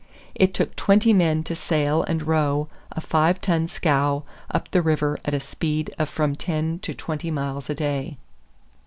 It took twenty men to sail and row a five ton scow up the river at a speed of from ten to twenty miles a day.